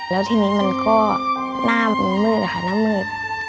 แล้วทีนี้มันก็หน้ามันมืดนะคะหน้ามืด